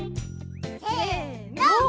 せの。